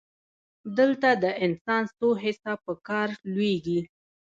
دلته د انسان څو حسه په کار لویږي.